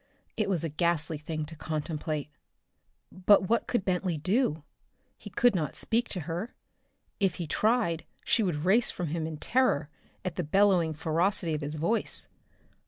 It was a ghastly thing to contemplate. But what could Bentley do? He could not speak to her. If he tried she would race from him in terror at the bellowing ferocity of his voice.